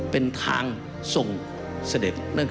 เป็นทางส่งเสด็จ